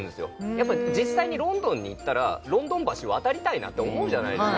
やっぱ実際にロンドンに行ったらロンドン橋渡りたいなって思うじゃないですか